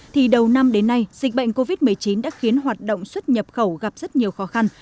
thì đầu năm đến nay dịch bệnh covid một mươi chín đã khiến hoạt động xuất nhập khẩu gặp rất nhiều khó khăn